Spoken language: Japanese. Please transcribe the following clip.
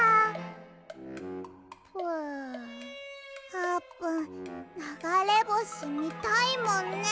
あーぷんながれぼしみたいもんね。